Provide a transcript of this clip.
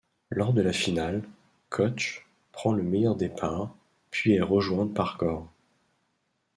Lors de la finale, Koch prend le meilleur départ, puis est rejointe par Göhr.